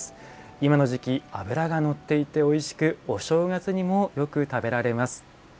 今の時期脂が乗っていておいしくお正月にもよく食べられます。